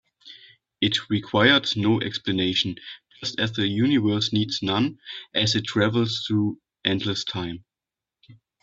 It required no explanation, just as the universe needs none as it travels through endless time.